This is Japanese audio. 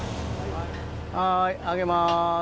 はい上げます。